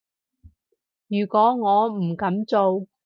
如果我唔噉做